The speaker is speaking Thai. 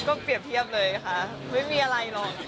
ก็เปรียบเทียบเลยค่ะไม่มีอะไรหรอก